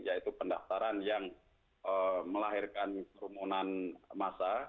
yaitu pendaftaran yang melahirkan kerumunan masa